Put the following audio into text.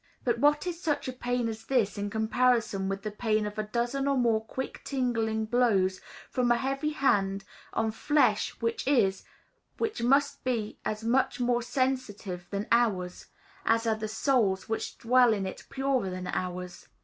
But what is such a pain as this, in comparison with the pain of a dozen or more quick tingling blows from a heavy hand on flesh which is, which must be as much more sensitive than ours, as are the souls which dwell in it purer than ours.